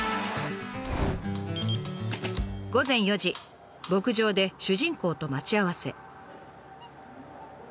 午前４時牧場で主人公と待ち合わせ。